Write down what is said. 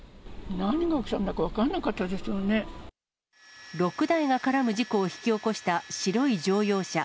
何が起きたんだか分からなか６台が絡む事故を引き起こした白い乗用車。